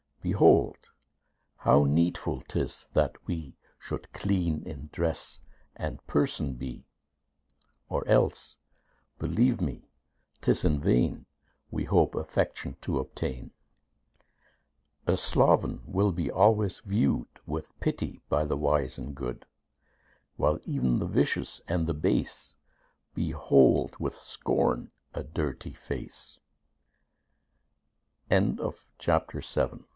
Behold how needful 'tis that we Should clean in dress and person be; Or else, believe me, 'tis in vain We hope affection to obtain. A sloven will be always viewed With pity by the wise and good; While ev'n the vicious and the base Behold with